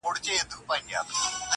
چې په ما ځیني ځانګړي خلک پوهېږي